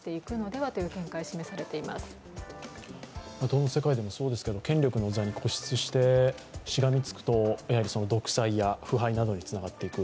どの世界でもそうですけれども権力の座に固執してしがみつくと独裁や腐敗などにつながっていく。